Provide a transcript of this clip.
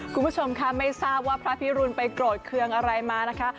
คุณผู้ชมค่ะไม่ทราบว่าพระพิรุณไปโกรธเคืองอะไรมานะคะ